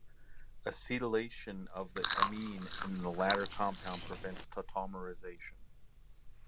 Acetylation of the amine in the latter compound prevents tautomerization.